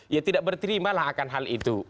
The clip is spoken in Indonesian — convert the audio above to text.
ya tidak berterimalah akan hal itu